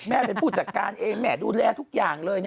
แม่เป็นผู้จัดการเองแม่ดูแลทุกอย่างเลย